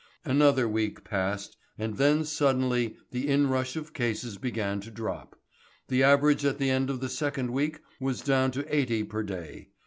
Another week passed and then suddenly the inrush of cases began to drop. The average at the end of the second week was down to eighty per day.